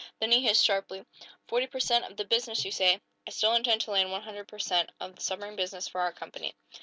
Then he hissed, sharply: "Forty per cent. of the business, you say? I still intend to land one hundred per cent. of the submarine business for our company?"